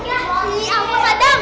iya ini aku padam